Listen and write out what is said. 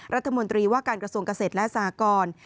รัฐมนตรีว่าการกระทรวงเกษตรและสหกร